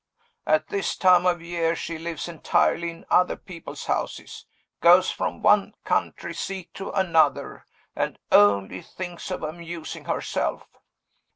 At this time of year she lives entirely in other people's houses goes from one country seat to another, and only thinks of amusing herself.